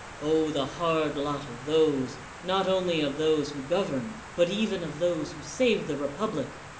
Oh, the hard lot of those, not only of those who govern, but even of those who save the repub lic!